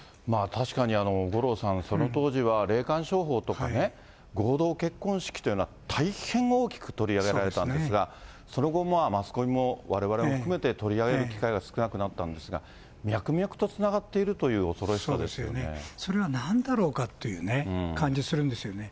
確かに五郎さん、その当時は、霊感商法とかね、合同結婚式というのは、大変大きく取り上げられたんですが、その後、マスコミもわれわれも含めて、取り上げる機会は少なくなったんですが、脈々とつながっているとそうですよね、それはなんだろうかという感じはするんですよね。